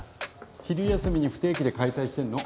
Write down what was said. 昼休みに不定期で開催してんの。